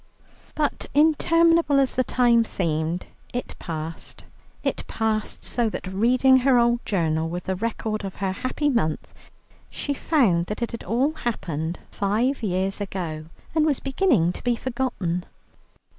But interminable as the time seemed, it passed. It passed, so that reading her old journal with the record of her happy month, she found that it had all happened five years ago, and was beginning to be forgotten.